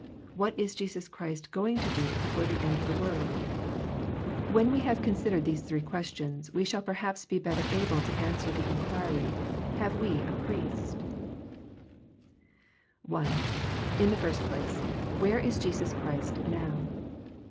What is Jesus Christ going to do before the end of the world ? 242 THE PKIEST. 243 When we have considered these three questions, we shall perhaps be better able to answer the inquiry, Have we a Priest 1 r {I. In the first place, Where is Jesus Christ now